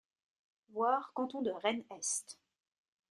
Voir Canton de Rennes-Est.